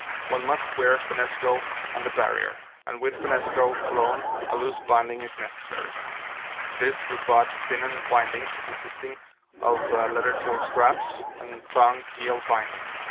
One must wear finnesko on the Barrier, and with finnesko alone a loose binding is necessary. For this we brought 'Finon' bindings, consisting of leather toe straps and thong heel binding.